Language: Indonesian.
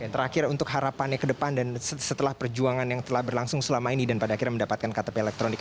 terakhir untuk harapannya ke depan dan setelah perjuangan yang telah berlangsung selama ini dan pada akhirnya mendapatkan ktp elektronik